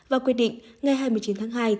và quyết định ngày hai mươi chín tháng hai